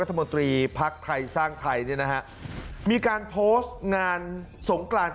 จะเป็นช่วงเวลาสุดท้ายที่ทั้งสองได้เที่ยวด้วยกันครับ